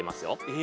え？